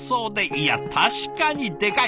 いや確かにでかい！